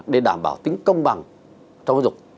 để đảm bảo tính công bằng trong giáo dục